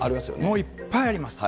もういっぱいあります。